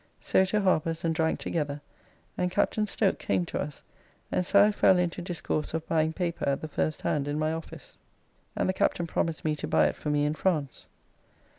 So to Harper's and drank together, and Captain Stokes came to us and so I fell into discourse of buying paper at the first hand in my office, and the Captain promised me to buy it for me in France.